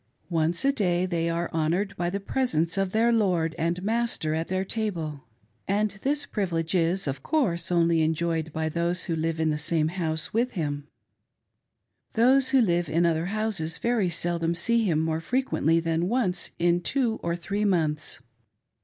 Once a day they are honored by the presence of their lord and master at their table ; and this privilege is, of course, only enjoyed by those who live in the same house with him, — those who live in other houses very seldom see him more frequently than once in two or three months.